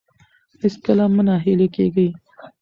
هیڅکله مه نه هیلي کیږئ.